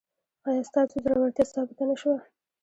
ایا ستاسو زړورتیا ثابته نه شوه؟